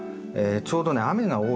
ちょうどね